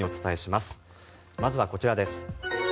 まずはこちらです。